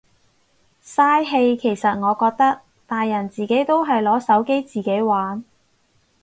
嘥氣其實我覺得，大人自己都係攞手機自己玩。